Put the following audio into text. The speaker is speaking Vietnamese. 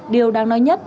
điều đáng nói nhất